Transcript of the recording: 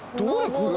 ここ。